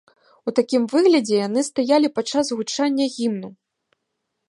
У такім выглядзе яны стаялі падчас гучання гімну.